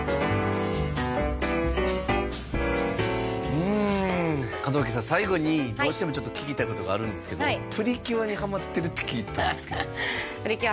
うん門脇さん最後にどうしてもちょっと聞きたいことがあるんですけど「プリキュア」にハマってるって聞いたんですけど「プリキュア」